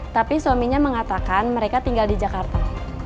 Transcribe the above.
tapi suaminya mengatakan mereka tinggal di jakarta